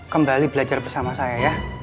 kembali belajar bersama saya ya